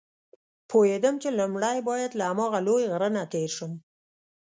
پوهېدم چې لومړی باید له هماغه لوی غره نه تېر شم.